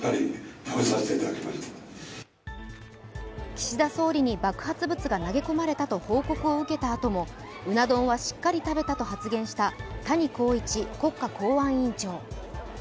岸田総理に爆発物が投げ込まれたと報告を受けたあともうな丼はしっかり食べたと発言した谷公一国家公安委員長。